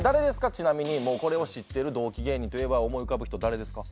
ちなみにもうこれを知ってる同期芸人といえば思い浮かぶ人誰ですか？